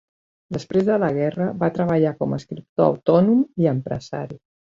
Després de la guerra, va treballar com escriptor autònom i empresari.